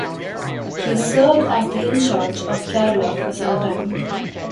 He served as the in charge of Kerala for some time.